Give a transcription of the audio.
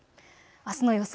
あすの予想